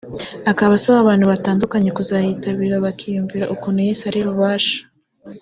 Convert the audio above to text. akaba asaba abantu batandukanye kuzayitabira bakiyumvira ukuntu Yesu ari Rubasha